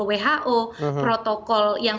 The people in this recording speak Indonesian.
who protokol yang